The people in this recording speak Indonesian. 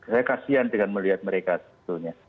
saya kasian dengan melihat mereka sebetulnya